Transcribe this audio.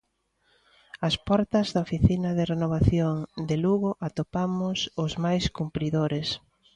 Ás portas da oficina de renovación de Lugo atopamos os máis cumpridores.